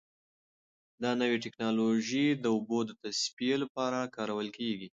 دا نوې ټیکنالوژي د اوبو د تصفیې لپاره کارول کیږي.